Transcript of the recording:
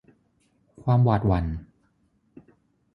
ความหวาดหวั่น